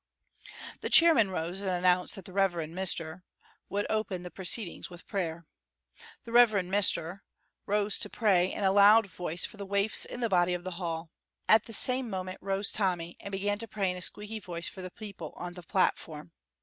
The chairman rose and announced that the. Rev. Mr. would open the proceedings with prayer. The Rev. Mr. rose to pray in a loud voice for the waifs in the body of the hall. At the same moment rose Tommy, and began to pray in a squeaky voice for the people on the platform.